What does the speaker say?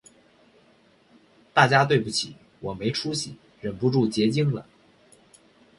大家对不起，我没出息，忍不住结晶了